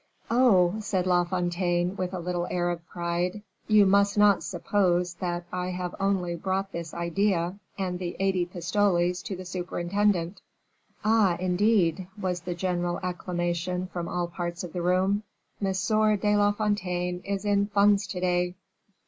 "Oh!" said La Fontaine, with a little air of pride, "you must not suppose that I have only brought this idea and the eighty pistoles to the superintendent." "Oh! indeed," was the general acclamation from all parts of the room, "M. de la Fontaine is in funds to day."